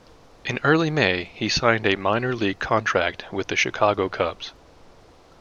In early May, he signed a minor league contract with the Chicago Cubs.